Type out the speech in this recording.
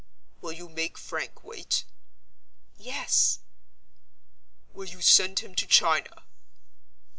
"Will you make Frank wait?" "Yes." "Will you send him to China?"